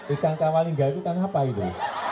ikan kawalingga itu kan apa itu